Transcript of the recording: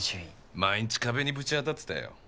毎日壁にぶち当たってたよ。